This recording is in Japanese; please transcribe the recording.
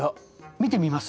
見てみます？